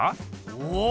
おお！